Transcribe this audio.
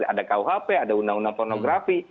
ada kuhp ada undang undang pornografi